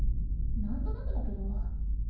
なんとなくだけど。